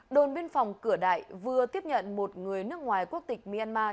đồn biên phòng cửa đại vừa tiếp nhận một người nước ngoài quốc tịch myanmar